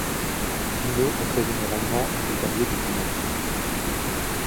Binot est très généralement accompagné de Binette.